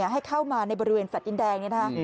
ให้เข้ามาในบริเวณสัตว์ดินแดงนี่ครับ